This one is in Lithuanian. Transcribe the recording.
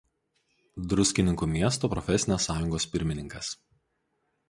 Druskininkų m. profesinės sąjungos pirmininkas.